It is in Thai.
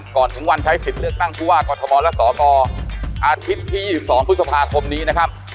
ก่อนถึงวันใช้สิทธิ์เลือกตั้งผู้ว่ากรทมและสนอาทิตย์ที่๒๒พฤษภาคมนี้นะครับ